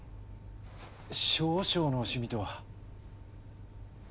「少々の趣味」とは？